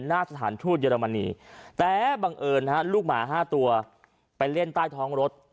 หน้าสถานทูตเยอรมนีแต่บังเอิญลูกหมา๕ตัวไปเล่นใต้ท้องรถ